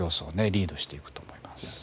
リードしていくと思います。